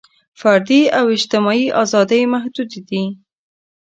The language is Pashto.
فردي او اجتماعي ازادۍ محدودې دي.